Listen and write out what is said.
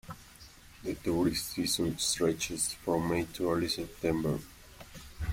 The tourist season stretches from May to early September.